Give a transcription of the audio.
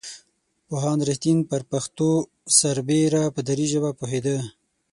پوهاند رښتین پر پښتو سربېره په دري ژبه پوهېده.